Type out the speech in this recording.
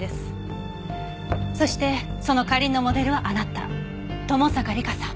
そしてその花凛のモデルはあなた友坂梨香さん。